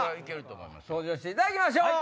登場していただきましょう。